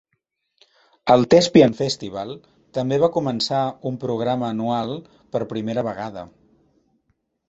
El Thespian Festival també va començar un programa anual per primera vegada.